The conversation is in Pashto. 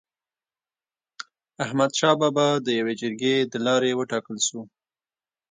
احمد شاه بابا د يوي جرګي د لاري و ټاکل سو.